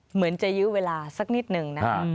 เหมือนจะยื้อเวลาสักนิดนึงนะครับ